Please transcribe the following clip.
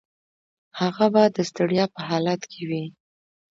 هغه به د ستړیا په حالت کې وي.